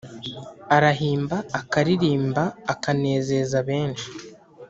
Arahimba akaririmba akanezeza benshi